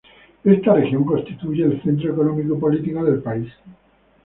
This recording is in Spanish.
Esta región constituye el centro económico y político del país.